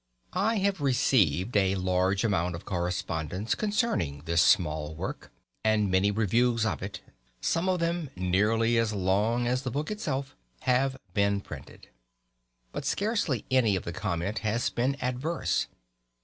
I have received a large amount of correspondence concerning this small work, and many reviews of it some of them nearly as long as the book itself have been printed. But scarcely any of the comment has been adverse.